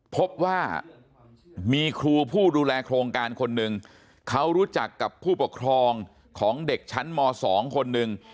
พบว่ามีครูผู้ดูแลโครงการคนหนึ่งเขารู้จักกับผู้ปกครองของเด็กชั้นม๒คนหนึ่ง